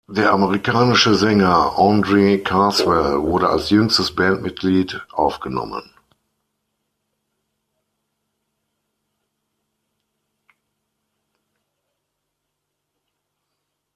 Der amerikanische Sänger Andre Carswell wurde als jüngstes Bandmitglied aufgenommen.